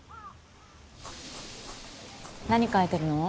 何描いてるの？